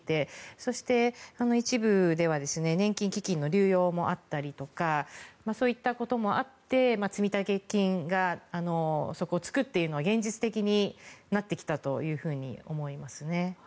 そして、一部では年金基金の流用もあったりとかそういったこともあって積立金が底を突くというのは現実的になってきたというふうに思いますね。